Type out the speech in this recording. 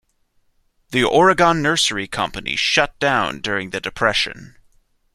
The Oregon Nursery Company shut down during the depression.